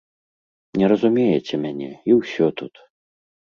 Не разумееце мяне, і ўсё тут.